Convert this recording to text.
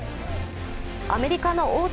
アメリカの大手